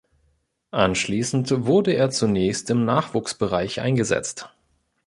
Anschließend wurde er zunächst im Nachwuchsbereich eingesetzt.